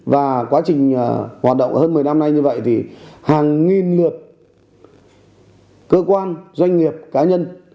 và quá trình hoạt động hơn một mươi năm nay như vậy thì hàng nghìn lượt cơ quan doanh nghiệp cá nhân